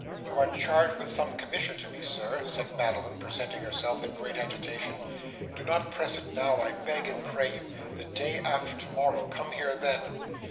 'You are charged with some commission to me, sir,' said Madeline, presenting herself in great agitation. 'Do not press it now, I beg and pray you. The day after tomorrow; come here then.